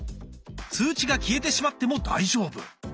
通知が消えてしまっても大丈夫。